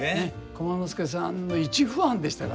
駒之助さんの一ファンでしたからね。